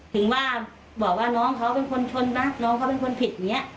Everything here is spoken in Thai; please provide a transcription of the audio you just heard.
ถึงว่าบอกว่าน้องเขาเป็นคนชนนะน้องเขาเป็นคนผิดอย่างนี้